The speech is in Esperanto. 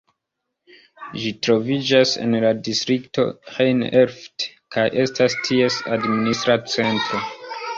Ĝi troviĝas en la distrikto Rhein-Erft, kaj estas ties administra centro.